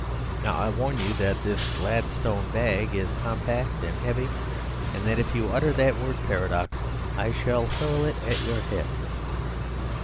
Now I warn you that this Gladstone bag is compact and heavy, and that if you utter that word 'paradox' I shall hurl it at your head.